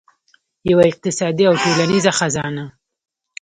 یوه اقتصادي او ټولنیزه خزانه.